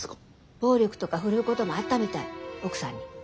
暴力とか振るうこともあったみたい奥さんに。